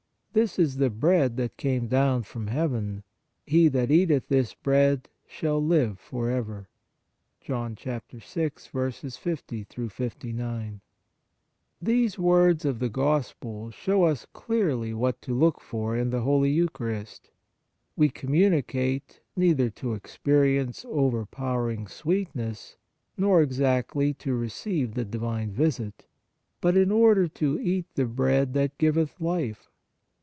" This is the bread that came down from heaven. He that eateth this bread shall live for ever." ; These words of the Gospel show us clearly what to look for in the Holy Eucharist. We communicate, neither to experience overpowering sweet ness nor exactly to receive the Divine visit, but in order to eat the bread that giveth life.